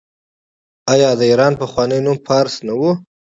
آیا د ایران پخوانی نوم فارس نه و؟